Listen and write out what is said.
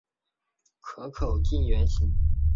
壳口近圆形。